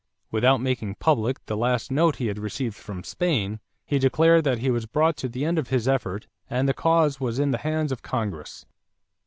Without making public the last note he had received from Spain, he declared that he was brought to the end of his effort and the cause was in the hands of Congress.